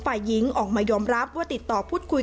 แต่ไม่ได้พูดคุย